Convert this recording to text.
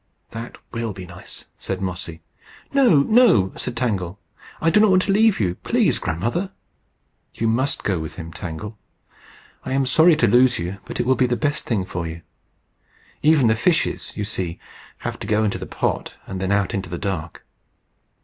"That will be nice," said Mossy. "No, no!" said Tangle. "I don't want to leave you, please, Grandmother." "You must go with him, Tangle. I am sorry to lose you, but it will be the best thing for you. Even the fishes, you see, have to go into the pot, and then out into the dark.